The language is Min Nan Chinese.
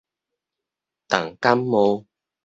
重感冒